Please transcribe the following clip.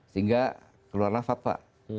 sehingga keluarlah fatwa